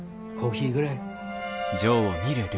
コーヒーぐらい。